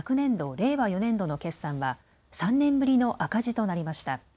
令和４年度の決算は３年ぶりの赤字となりました。